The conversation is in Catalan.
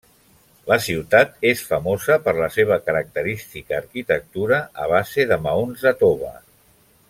La ciutat és famosa per la seva característica arquitectura a base de maons de tova.